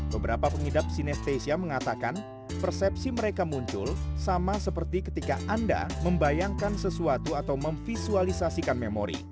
beberapa pengidap sinesthesia mengatakan persepsi mereka muncul sama seperti ketika anda membayangkan sesuatu atau memvisualisasikan memori